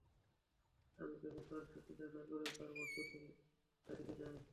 আমি কেবল তার সাথে দেখা করে তার বস্তুটি তাকে দিতে চাই!